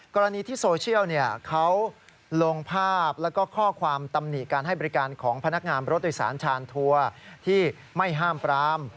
กรณีที่โซเชียลเขาลงภาพแล้วก็ข้อความตำหนิการให้บริการของพนักงานรถโดยสารชานทัวร์ที่ไม่ห้ามปราม